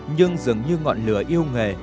nhưng dường như ngọn lửa yêu nghề